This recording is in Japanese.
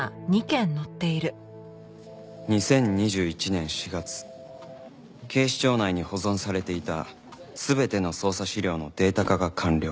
２０２１年４月警視庁内に保存されていた全ての捜査資料のデータ化が完了